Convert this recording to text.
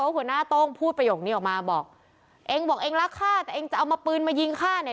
หัวหน้าโต้งพูดประโยคนี้ออกมาบอกเองบอกเองรักฆ่าแต่เองจะเอามาปืนมายิงฆ่าเนี่ย